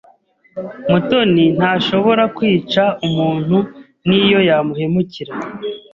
Mutoni ntashobora kwica umuntu niyo yamuhemukira.